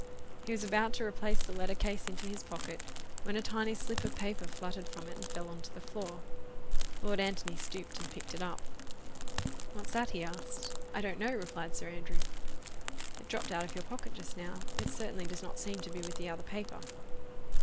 He was about to replace the letter case into his pocket, when a tiny slip of paper fluttered from it and fell on to the floor. Lord Antony stooped and picked it up. "What's that?" he asked. "I don't know," replied Sir Andrew. "It dropped out of your pocket just now. It certainly did not seem to be with the other paper."